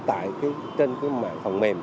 trên mạng phần mềm